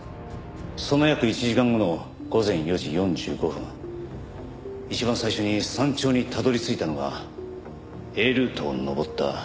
その約１時間後の午前４時４５分一番最初に山頂にたどり着いたのがＡルートを登った。